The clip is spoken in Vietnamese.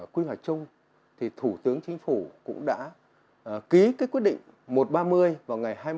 quy hạch trung thì thủ tướng chính phủ cũng đã ký cái quyết định một trăm ba mươi vào ngày hai mươi ba tháng một năm hai nghìn một mươi năm